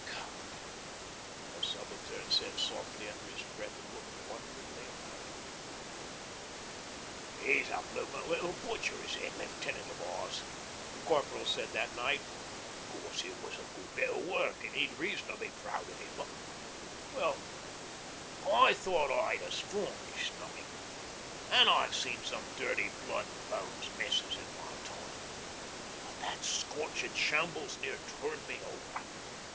... 'God!' the Subaltern said softly under his breath, and looked wonderingly about him. ''E's a bloomin' little butcher, is that Lefftenant of ours,' the Corporal said that night. ''Course it was a good bit o' work, an' he'd reason to be proud of it; but well I thought I'd a strongish stomach, an' I've seen some dirty blood an' bones messes in my time but that scorchin' shambles near turned me over.